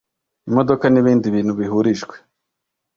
imodoka n ibindi bintu bihurijwe